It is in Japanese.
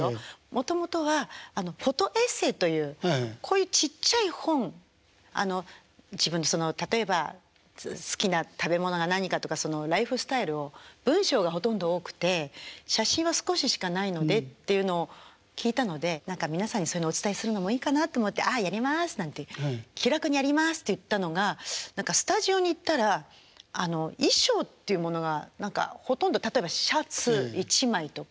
もともとはフォトエッセーというこういうちっちゃい本あの自分でその例えば好きな食べ物が何かとかそのライフスタイルを文章がほとんど多くて写真は少ししかないのでっていうのを聞いたので何か皆さんにそういうのをお伝えするのもいいかなと思って「ああやります」なんて気楽にやりますって言ったのが何かスタジオに行ったら衣装っていうものが何かほとんど例えばシャツ１枚とか。